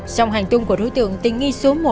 sông hành tung của thủ tượng tinh nghi số một